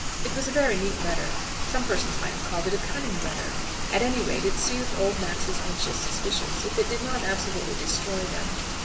It was a very neat letter. Some persons might have called it a cunning letter. At any rate, it soothed old Max's anxious suspicions, if it did not absolutely destroy them.